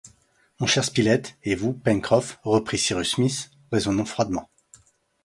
Mon cher Spilett, et vous, Pencroff, reprit Cyrus Smith, raisonnons froidement.